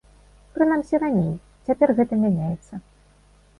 Прынамсі раней, цяпер гэта мяняецца.